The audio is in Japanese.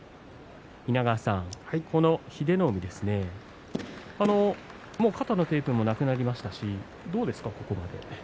稲川さん、英乃海肩のテープもなくなりましたし、どうですか、ここまで。